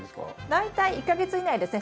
大体１か月以内ですね。